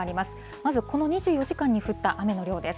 まずこの２４時間に降った雨の量です。